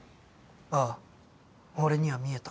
ああ俺には見えた。